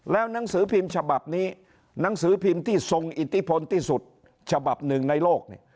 แล้วหนังสือพิมพ์ฉบับนี้หนังสือพิมพ์ที่ทรงอิทธิพลที่สุดฉบับหนึ่งในโลก